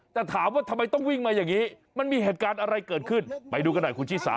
แต่ถามว่าทำไมต้องวิ่งมาอย่างนี้มันมีเหตุการณ์อะไรเกิดขึ้นไปดูกันหน่อยคุณชิสา